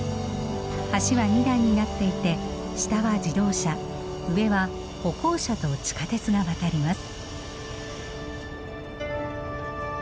橋は二段になっていて下は自動車上は歩行者と地下鉄が渡ります。